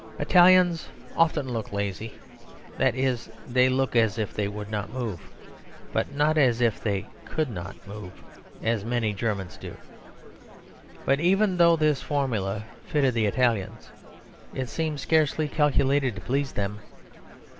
Italians often look lazy; that is, they look as if they would not move; but not as if they could not move, as many Germans do. But even though this formula fitted the Italians, it seems scarcely calculated to please them.